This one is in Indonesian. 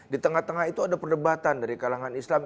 di tengah tengah itu ada perdebatan dari kalangan islam